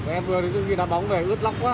em vừa đến khi nó bóng về ướt lóc quá